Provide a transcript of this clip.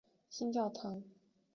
新教堂。